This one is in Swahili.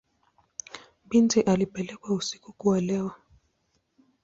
Binti alipelekwa usiku kuolewa.